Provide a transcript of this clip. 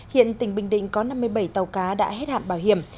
hiện tỉnh bình định có năm mươi bảy tàu cá đã hết hạn bảo hiểm